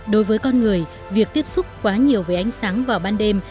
đối với con người việc tiếp xúc quá nhiều với ánh sáng vào ban đêm